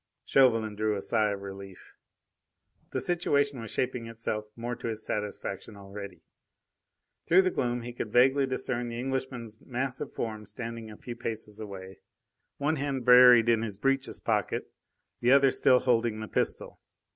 Chauvelin drew a sigh of relief. The situation was shaping itself more to his satisfaction already. Through the gloom he could vaguely discern the Englishman's massive form standing a few paces away, one hand buried in his breeches pockets, the other still holding the pistol.